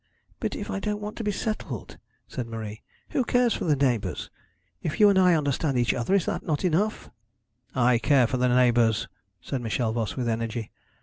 'But if I don't want to be settled?' said Marie. 'Who cares for the neighbours? If you and I understand each other, is not that enough?' 'I care for the neighbours,' said Michel Voss with energy.